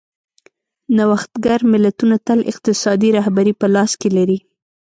نوښتګر ملتونه تل اقتصادي رهبري په لاس کې لري.